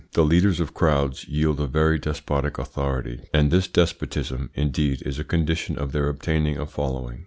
The leaders of crowds wield a very despotic authority, and this despotism indeed is a condition of their obtaining a following.